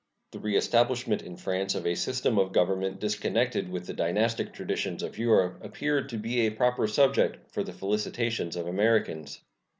The reestablishment in France of a system of government disconnected with the dynastic traditions of Europe appeared to be a proper subject for the felicitations of Americans.